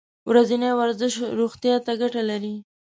ورځنی ورزش روغتیا ته ګټه لري.